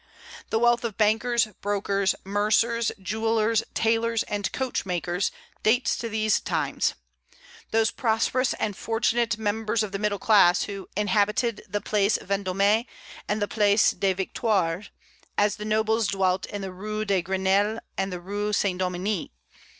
The wealth of bankers, brokers, mercers, jewellers, tailors, and coachmakers dates to these times, those prosperous and fortunate members of the middle class who "inhabited the Place Vendôme and the Place des Victoires, as the nobles dwelt in the Rue de Grenelle and the Rue St. Dominique.